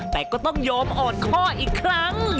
แต่ก็ต้องยอมอ่อนข้ออีกครั้ง